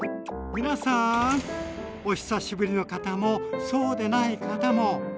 皆さん！お久しぶりの方もそうでない方も。